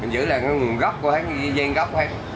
giữ lại cái nguồn gốc của hãy cái gen gốc